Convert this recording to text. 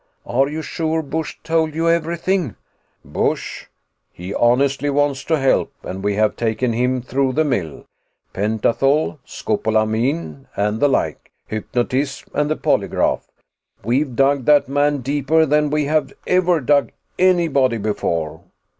Are you sure Busch told you everything?" "Busch! He honestly wants to help and we have taken him through the mill. Pentathol, scopolamine and the like; hypnotism and the polygraph. We've dug that man deeper than we have ever dug anybody before."